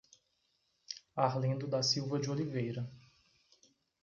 Arlindo da Silva de Oliveira